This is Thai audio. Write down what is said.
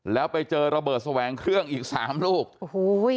แล้วไปเจอระเบิดแสวงเครื่องอีกสามลูกโอ้โห